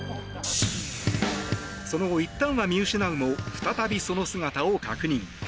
その後、いったんは見失うも再びその姿を確認。